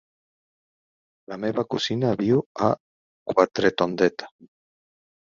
La meva cosina viu a Quatretondeta.